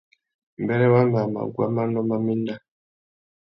Mbêrê wamê a mà guá manô má méndá.